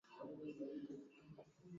Hadithi kuja, hadithi njoo.